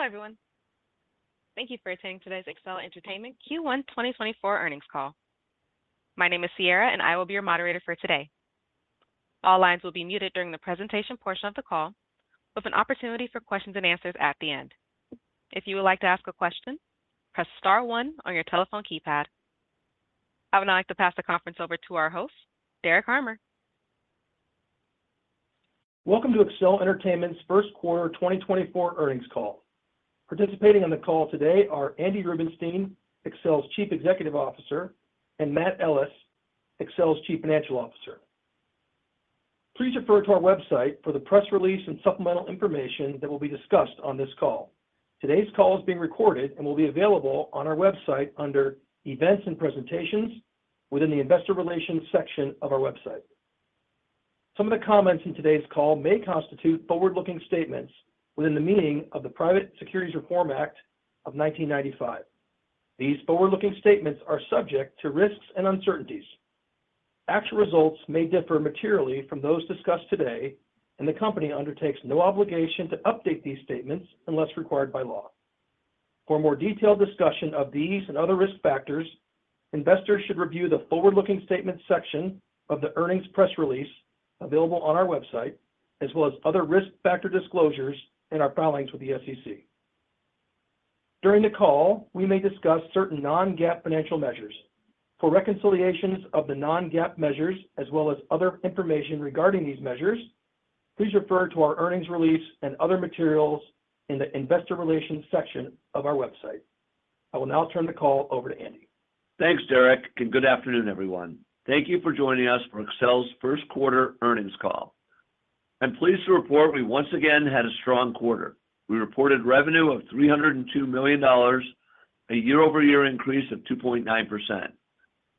Hello, everyone. Thank you for attending today's Accel Entertainment Q1 2024 earnings call. My name is Sierra, and I will be your moderator for today. All lines will be muted during the presentation portion of the call, with an opportunity for questions and answers at the end. If you would like to ask a question, press star one on your telephone keypad. I would now like to pass the conference over to our host, Derek Harmer. Welcome to Accel Entertainment's first quarter 2024 earnings call. Participating on the call today are Andy Rubenstein, Accel's Chief Executive Officer, and Mathew Ellis, Accel's Chief Financial Officer. Please refer to our website for the press release and supplemental information that will be discussed on this call. Today's call is being recorded and will be available on our website under Events and Presentations, within the Investor Relations section of our website. Some of the comments in today's call may constitute forward-looking statements within the meaning of the Private Securities Litigation Reform Act of 1995. These forward-looking statements are subject to risks and uncertainties. Actual results may differ materially from those discussed today, and the company undertakes no obligation to update these statements unless required by law. For a more detailed discussion of these and other risk factors, investors should review the forward-looking statement section of the earnings press release available on our website, as well as other risk factor disclosures in our filings with the SEC. During the call, we may discuss certain non-GAAP financial measures. For reconciliations of the non-GAAP measures, as well as other information regarding these measures, please refer to our earnings release and other materials in the Investor Relations section of our website. I will now turn the call over to Andy. Thanks, Derek, and good afternoon, everyone. Thank you for joining us for Accel's first quarter earnings call. I'm pleased to report we once again had a strong quarter. We reported revenue of $302 million, a year-over-year increase of 2.9%,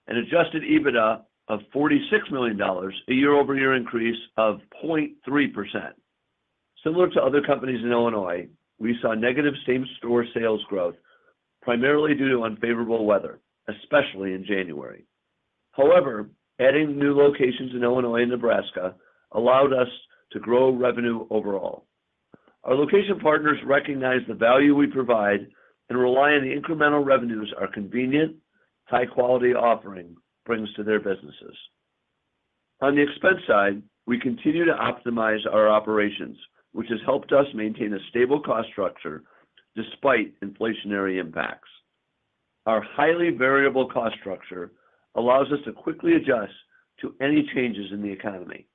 and Adjusted EBITDA of $46 million, a year-over-year increase of 0.3%. Similar to other companies in Illinois, we saw negative same-store sales growth, primarily due to unfavorable weather, especially in January. However, adding new locations in Illinois and Nebraska allowed us to grow revenue overall. Our location partners recognize the value we provide and rely on the incremental revenues our convenient, high-quality offering brings to their businesses. On the expense side, we continue to optimize our operations, which has helped us maintain a stable cost structure despite inflationary impacts. Our highly variable cost structure allows us to quickly adjust to any changes in the economy.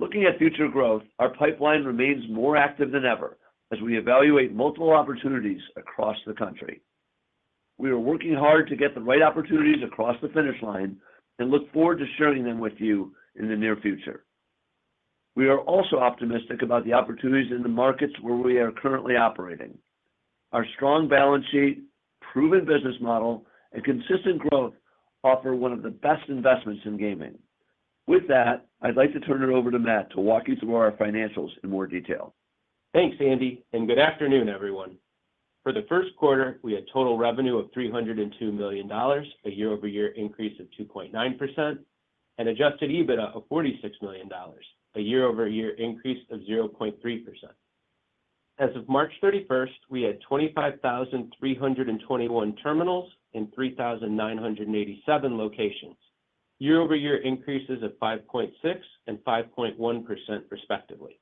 Looking at future growth, our pipeline remains more active than ever as we evaluate multiple opportunities across the country. We are working hard to get the right opportunities across the finish line and look forward to sharing them with you in the near future. We are also optimistic about the opportunities in the markets where we are currently operating. Our strong balance sheet, proven business model, and consistent growth offer one of the best investments in gaming. With that, I'd like to turn it over to Matt to walk you through our financials in more detail. Thanks, Andy, and good afternoon, everyone. For the first quarter, we had total revenue of $302 million, a year-over-year increase of 2.9%, and Adjusted EBITDA of $46 million, a year-over-year increase of 0.3%. As of March 31, we had 25,321 terminals in 3,987 locations, year-over-year increases of 5.6% and 5.1% respectively.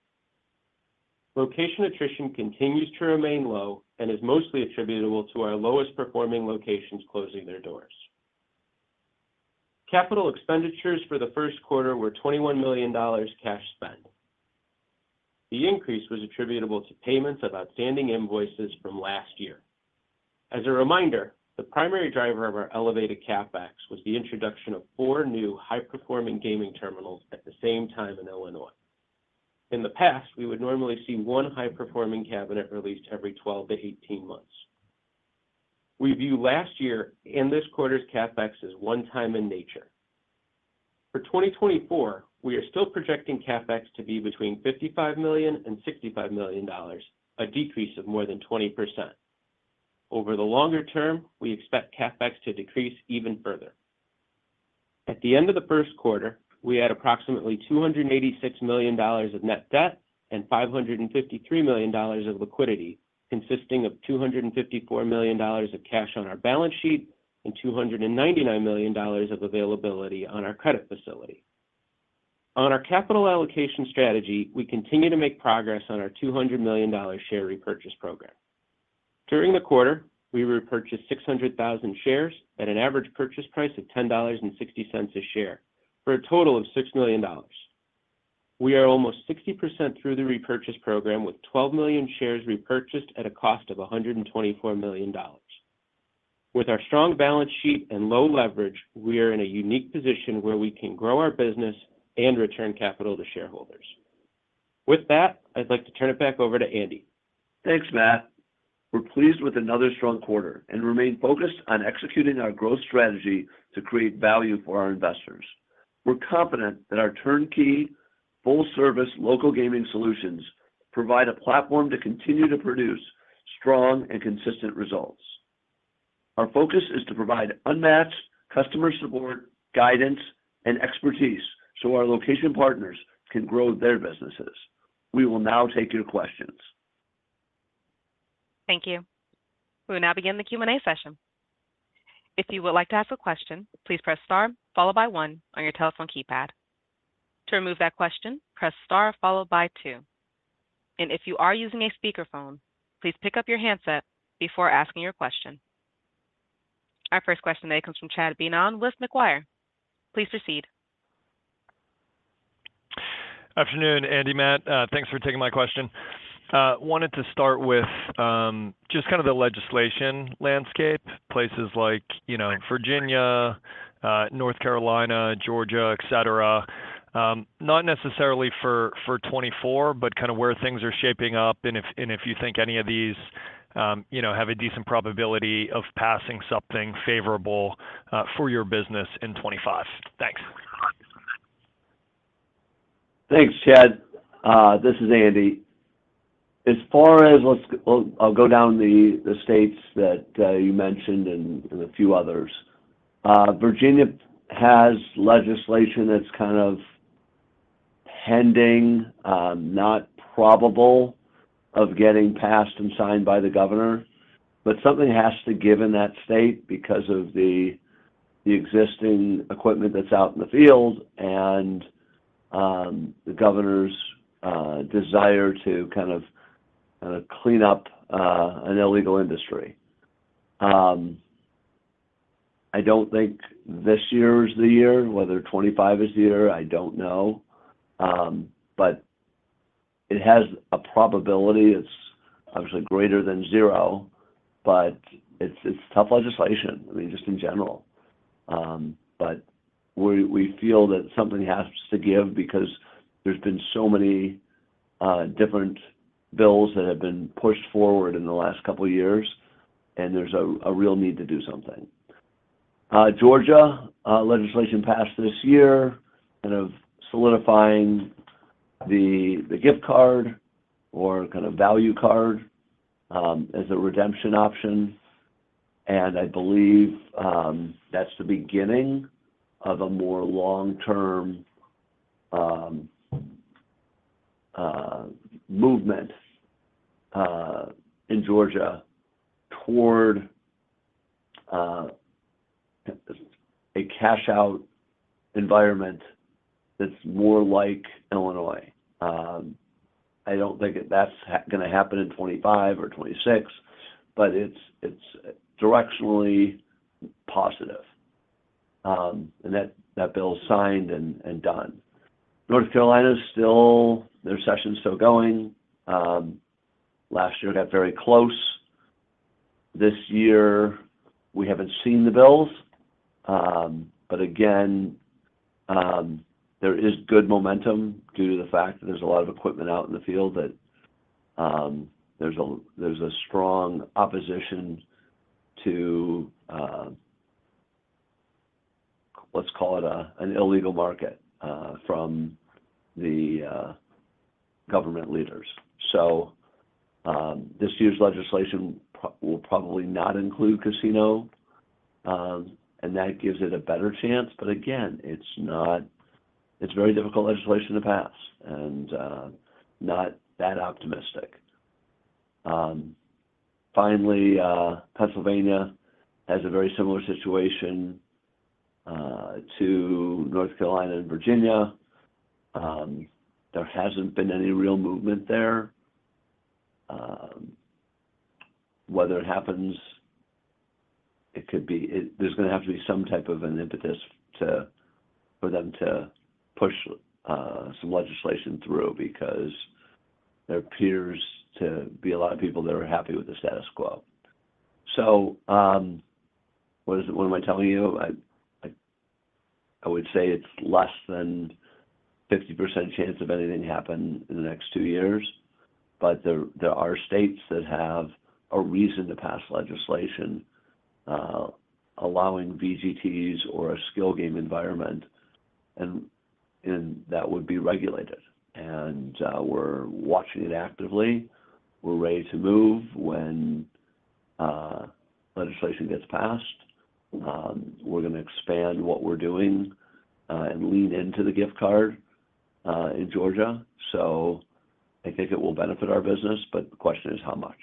Location attrition continues to remain low and is mostly attributable to our lowest-performing locations closing their doors. Capital expenditures for the first quarter were $21 million cash spend. The increase was attributable to payments of outstanding invoices from last year. As a reminder, the primary driver of our elevated CapEx was the introduction of 4 new high-performing gaming terminals at the same time in Illinois. In the past, we would normally see one high-performing cabinet released every 12-18 months. We view last year and this quarter's CapEx as one-time in nature. For 2024, we are still projecting CapEx to be between $55 million and $65 million, a decrease of more than 20%. Over the longer term, we expect CapEx to decrease even further. At the end of the first quarter, we had approximately $286 million of net debt and $553 million of liquidity, consisting of $254 million of cash on our balance sheet and $299 million of availability on our credit facility. On our capital allocation strategy, we continue to make progress on our $200 million share repurchase program. During the quarter, we repurchased 600,000 shares at an average purchase price of $10.60 a share, for a total of $6 million. We are almost 60% through the repurchase program, with 12 million shares repurchased at a cost of $124 million. With our strong balance sheet and low leverage, we are in a unique position where we can grow our business and return capital to shareholders. With that, I'd like to turn it back over to Andy. Thanks, Matt. We're pleased with another strong quarter and remain focused on executing our growth strategy to create value for our investors. We're confident that our turnkey, full-service local gaming solutions provide a platform to continue to produce strong and consistent results....Our focus is to provide unmatched customer support, guidance, and expertise, so our location partners can grow their businesses. We will now take your questions. Thank you. We'll now begin the Q&A session. If you would like to ask a question, please press star followed by one on your telephone keypad. To remove that question, press star followed by two. If you are using a speakerphone, please pick up your handset before asking your question. Our first question today comes from Chad Beynon with Macquarie. Please proceed. Afternoon, Andy, Mathew. Thanks for taking my question. Wanted to start with just kind of the legislation landscape, places like, you know, Virginia, North Carolina, Georgia, et cetera. Not necessarily for 2024, but kind of where things are shaping up and if you think any of these, you know, have a decent probability of passing something favorable for your business in 2025. Thanks. Thanks, Chad. This is Andy. As far as... Let's. Well, I'll go down the states that you mentioned and a few others. Virginia has legislation that's kind of pending, not probable of getting passed and signed by the governor, but something has to give in that state because of the existing equipment that's out in the field and the governor's desire to kind of clean up an illegal industry. I don't think this year is the year. Whether 25 is the year, I don't know. But it has a probability. It's obviously greater than zero, but it's tough legislation, I mean, just in general. But we feel that something has to give because there's been so many different bills that have been pushed forward in the last couple of years, and there's a real need to do something. Georgia legislation passed this year, kind of solidifying the gift card or kind of value card as a redemption option, and I believe that's the beginning of a more long-term movement in Georgia toward a cash-out environment that's more like Illinois. I don't think that's gonna happen in 25 or 26, but it's directionally positive. And that bill is signed and done. North Carolina is still... their session's still going. Last year got very close. This year, we haven't seen the bills. But again, there is good momentum due to the fact that there's a lot of equipment out in the field that there's a strong opposition to, let's call it, an illegal market from the government leaders. So, this year's legislation will probably not include casino, and that gives it a better chance. But again, it's not. It's very difficult legislation to pass and not that optimistic. Finally, Pennsylvania has a very similar situation to North Carolina and Virginia. There hasn't been any real movement there. Whether it happens, it could be. There's gonna have to be some type of an impetus for them to push some legislation through, because there appears to be a lot of people that are happy with the status quo. So, what is it? What am I telling you? I would say it's less than 50% chance of anything happening in the next 2 years, but there are states that have a reason to pass legislation allowing VGTs or a skill game environment, and that would be regulated. We're watching it actively. We're ready to move when legislation gets passed. We're gonna expand what we're doing, and lean into the gift card in Georgia. I think it will benefit our business, but the question is: how much?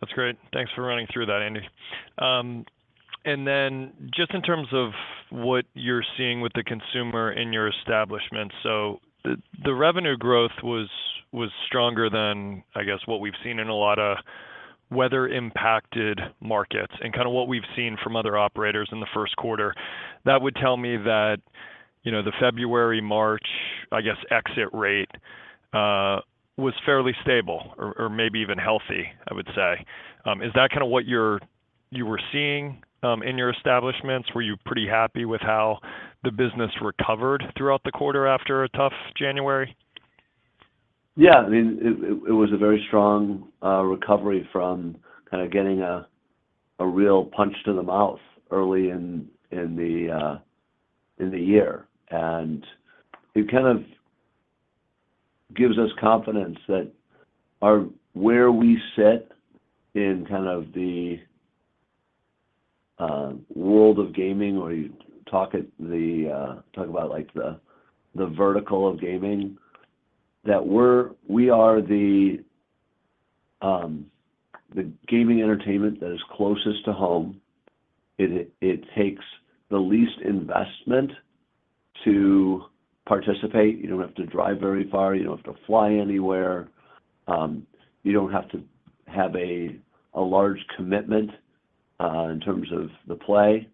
That's great. Thanks for running through that, Andy. And then just in terms of what you're seeing with the consumer in your establishment, so the revenue growth was stronger than, I guess, what we've seen in a lot of weather-impacted markets and kind of what we've seen from other operators in the first quarter. That would tell me that, you know, the February, March, I guess, exit rate was fairly stable or maybe even healthy, I would say. Is that kind of what you were seeing in your establishments? Were you pretty happy with how the business recovered throughout the quarter after a tough January? Yeah, I mean, it was a very strong recovery from kind of getting a real punch to the mouth early in the year. And we've kind of gives us confidence that our where we sit in kind of the world of gaming, or you talk at the talk about like the vertical of gaming, that we're we are the gaming entertainment that is closest to home. It takes the least investment to participate. You don't have to drive very far, you don't have to fly anywhere, you don't have to have a large commitment in terms of the play.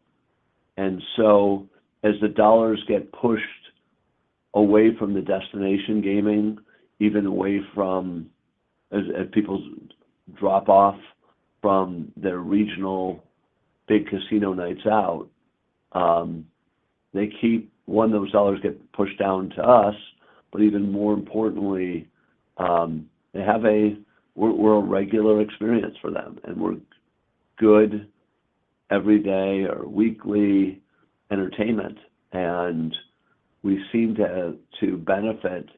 And so as the dollars get pushed away from the destination gaming, even away from, as people drop off from their regional big casino nights out, they keep... One, those dollars get pushed down to us, but even more importantly, they have, we're a regular experience for them, and we're good every day or weekly entertainment, and we seem to benefit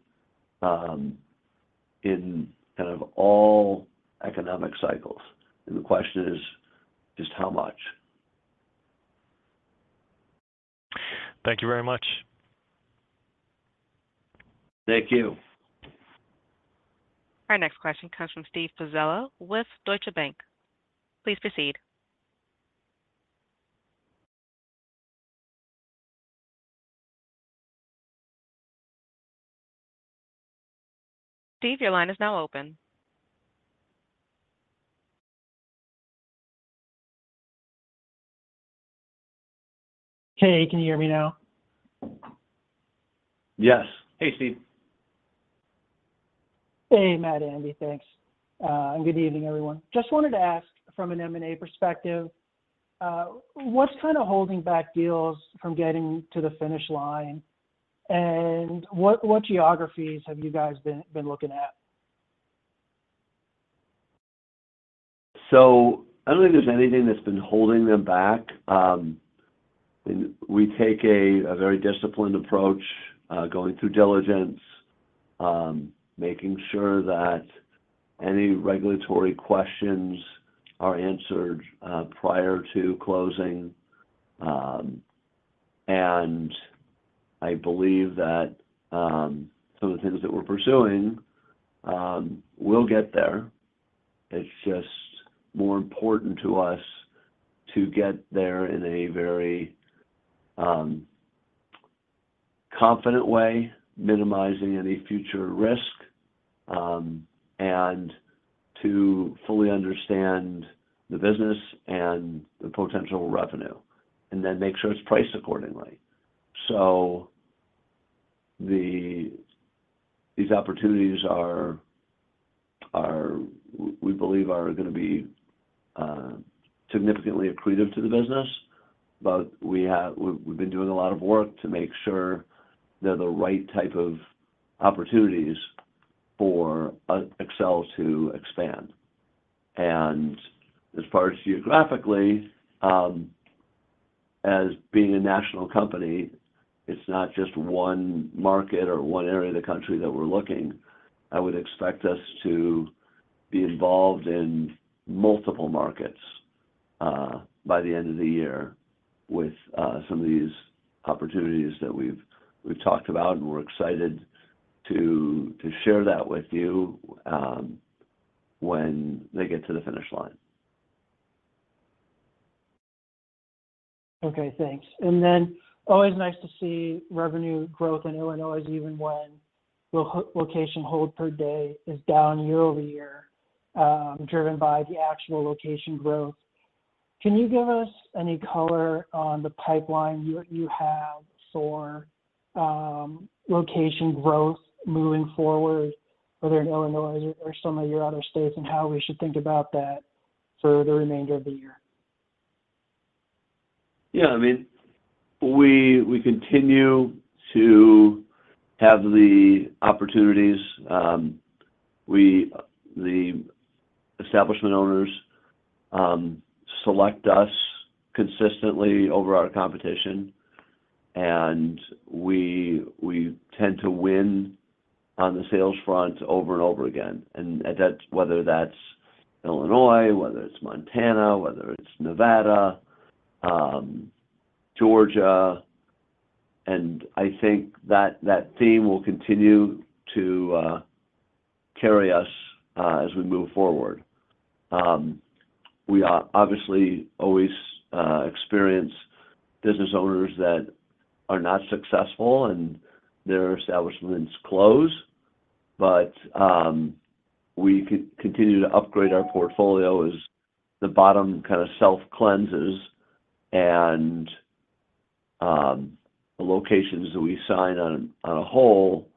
in kind of all economic cycles. And the question is, just how much? Thank you very much. Thank you. Our next question comes from Steven Pizzella with Deutsche Bank. Please proceed. Steven, your line is now open. Hey, can you hear me now? Yes. Hey, Steve. Hey, Matt and Andy, thanks. And good evening, everyone. Just wanted to ask from an M&A perspective, what's kind of holding back deals from getting to the finish line? And what geographies have you guys been looking at? So I don't think there's anything that's been holding them back. And we take a very disciplined approach, going through diligence, making sure that any regulatory questions are answered, prior to closing. And I believe that some of the things that we're pursuing will get there. It's just more important to us to get there in a very confident way, minimizing any future risk, and to fully understand the business and the potential revenue, and then make sure it's priced accordingly. So these opportunities are we believe gonna be significantly accretive to the business, but we've been doing a lot of work to make sure they're the right type of opportunities for Accel to expand. As far as geographically, as being a national company, it's not just one market or one area of the country that we're looking. I would expect us to be involved in multiple markets, by the end of the year with some of these opportunities that we've talked about, and we're excited to share that with you, when they get to the finish line. Okay, thanks. And then always nice to see revenue growth in Illinois, even when location hold per day is down year-over-year, driven by the actual location growth. Can you give us any color on the pipeline you have for location growth moving forward, whether in Illinois or some of your other states, and how we should think about that for the remainder of the year? Yeah, I mean, we continue to have the opportunities. The establishment owners select us consistently over our competition, and we tend to win on the sales front over and over again. And that's whether that's Illinois, whether it's Montana, whether it's Nevada, Georgia, and I think that that theme will continue to carry us as we move forward. We are obviously always experiencing business owners that are not successful and their establishments close, but we continue to upgrade our portfolio as the bottom kind of self-cleanses, and the locations that we sign on a whole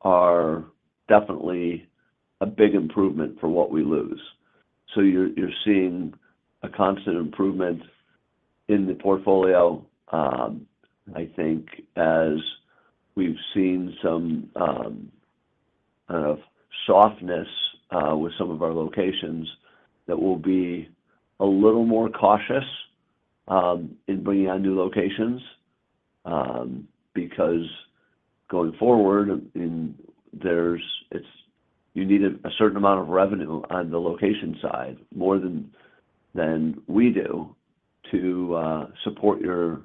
are definitely a big improvement from what we lose. So you're seeing a constant improvement in the portfolio. I think as we've seen some kind of softness with some of our locations, that we'll be a little more cautious in bringing on new locations, because going forward, it's you need a certain amount of revenue on the location side, more than we do, to support your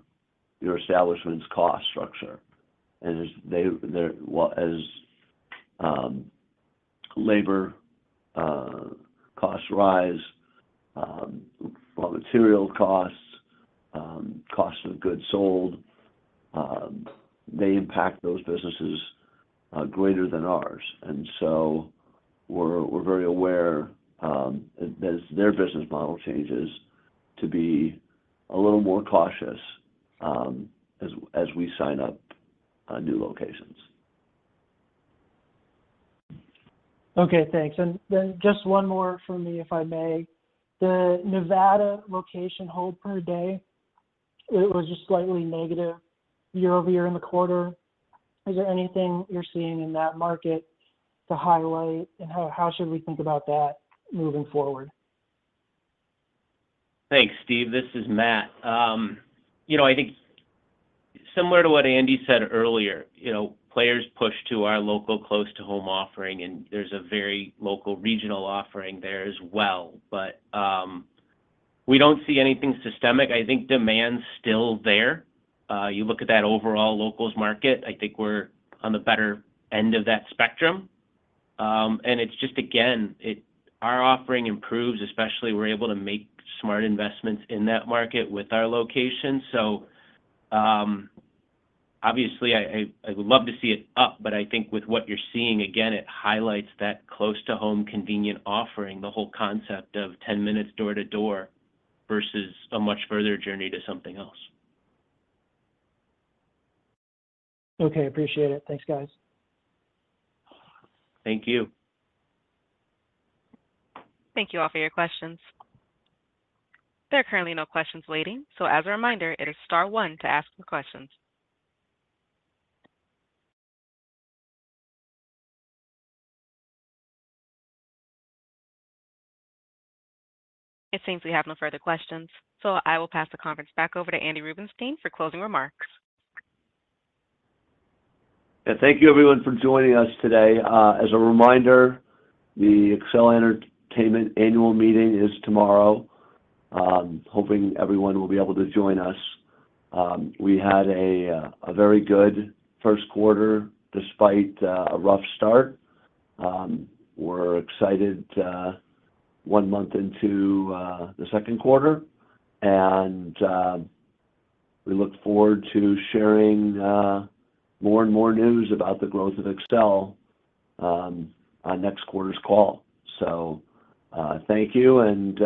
establishment's cost structure. And as labor costs rise, raw material costs, cost of goods sold, they impact those businesses greater than ours. And so we're very aware as their business model changes to be a little more cautious as we sign up new locations. Okay, thanks. And then just one more from me, if I may. The Nevada location hold per day, it was just slightly negative year-over-year in the quarter. Is there anything you're seeing in that market to highlight, and how, how should we think about that moving forward? Thanks, Steve. This is Matt. You know, I think similar to what Andy said earlier, you know, players push to our local, close to home offering, and there's a very local regional offering there as well. But, we don't see anything systemic. I think demand's still there. You look at that overall locals market, I think we're on the better end of that spectrum. And it's just, again, our offering improves, especially we're able to make smart investments in that market with our location. So, obviously, I would love to see it up, but I think with what you're seeing, again, it highlights that close to home, convenient offering, the whole concept of ten minutes door to door versus a much further journey to something else. Okay, appreciate it. Thanks, guys. Thank you. Thank you all for your questions. There are currently no questions waiting, so as a reminder, it is star one to ask the questions. It seems we have no further questions, so I will pass the conference back over to Andy Rubenstein for closing remarks. Yeah, thank you, everyone, for joining us today. As a reminder, the Accel Entertainment annual meeting is tomorrow. Hoping everyone will be able to join us. We had a very good first quarter, despite a rough start. We're excited, one month into the second quarter, and we look forward to sharing more and more news about the growth of Accel, on next quarter's call. So, thank you, and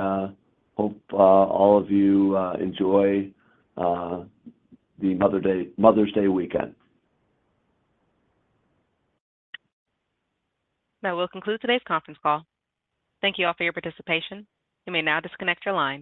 hope all of you enjoy the Mother's Day weekend. That will conclude today's conference call. Thank you all for your participation. You may now disconnect your line.